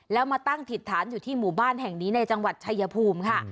แล้วมาตั้งถิตฐานอยู่ที่หมู่บ้านแห่งนี้ในจังหวัดชายภูมิค่ะ